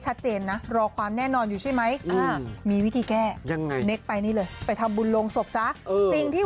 มีหนังติดต่อเข้ามาคอนเฟิร์มทันที